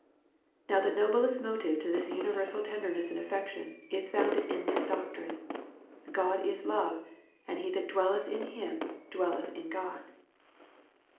Now the noblest motive to this universal tenderness and affection, is founded in this doctrine, God is love; and he that dwelleth in him, dwelleth in God, DEVOtJT AND HOLY LIFE.